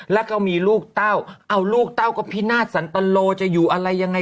แล้วก็มีลูกเต้าเอาลูกเต้าก็พินาศสันตโลจะอยู่อะไรยังไง